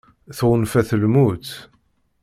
Tɣunfa-t lmut.